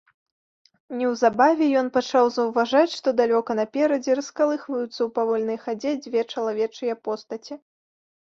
Неўзабаве ён пачаў заўважаць, што далёка наперадзе раскалыхваюцца ў павольнай хадзе дзве чалавечыя постаці.